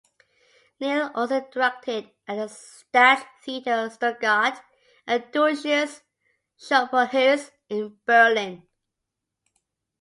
Nel also directed at the Staatstheater Stuttgart and Deutsches Schauspielhaus in Berlin.